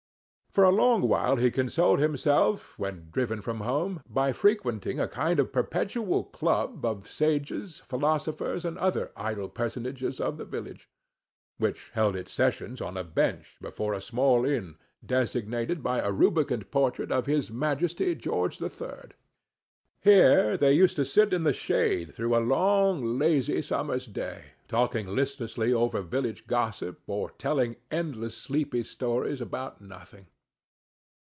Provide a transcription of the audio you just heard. For a long while he used to console himself, when driven from home, by frequenting a kind of perpetual club of the sages, philosophers, and other idle personages of the village; which held its sessions on a bench before a small inn, designated by a rubicund portrait of His Majesty George the Third. Here they used to sit in the shade through a long lazy summer's day, talking listlessly over village gossip, or telling endless sleepy stories about nothing.